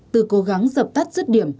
từ cố gắng dập tắt rứt điểm